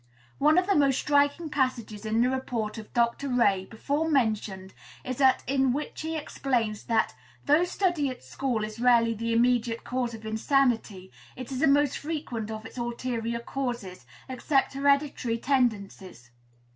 One of the most striking passages in the report of Dr. Ray, before mentioned, is that in which he explains that, 'though study at school is rarely the immediate cause of insanity, it is the most frequent of its ulterior causes, except hereditary tendencies.'